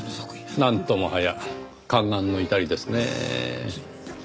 なんともはや汗顔の至りですねぇ。